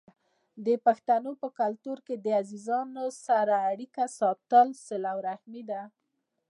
د پښتنو په کلتور کې د عزیزانو سره اړیکه ساتل صله رحمي ده.